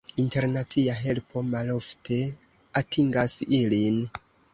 Internacia helpo malofte atingas ilin.